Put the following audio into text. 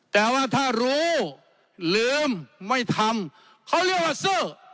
แต่ว่าถ้ารู้ลืมไม่ทำเขาเรียกว่าเซอร์